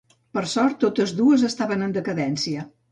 Per sort totes dues estaven en decadència.